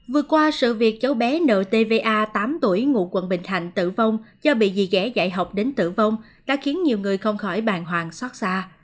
vừa qua sự việc cháu bé nợ tva tám tuổi ngụ quận bình thạnh tử vong do bị dì ghẻ dạy học đến tử vong đã khiến nhiều người không khỏi bàn hoàng xót xa